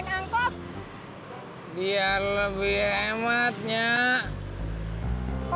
gak diajak nonton juga